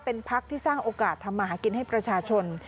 เป็นพักที่สร้างโอกาสทำมาหากินให้ประชาชน